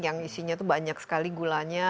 yang isinya itu banyak sekali gulanya